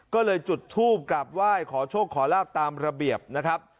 ก็เลยจุดทูปกลับไหว้ขอโชคขอลาบตามระเบียบนะครับ